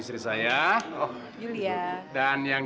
bos besar kita hadir juga